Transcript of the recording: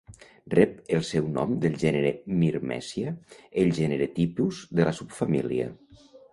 Rep el seu nom del gènere Myrmecia, el gènere tipus de la subfamília.